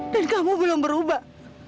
dan kamu belum berubah